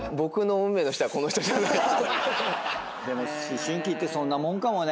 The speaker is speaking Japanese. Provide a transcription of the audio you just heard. でも思春期ってそんなもんかもね。